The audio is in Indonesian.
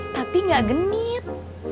tapi gak genit